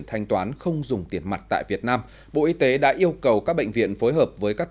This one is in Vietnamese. thanh toán không dùng tiền mặt tại việt nam bộ y tế đã yêu cầu các bệnh viện phối hợp với các